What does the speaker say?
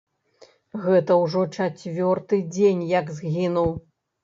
Гэта ўжо чацвёрты дзень, як згінуў.